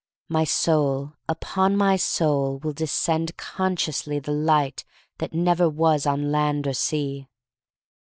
My soul — upon my soul will descend consciously the light that never was on land or sea.